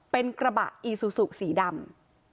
เป็นกระบะอีซูซูสีดำ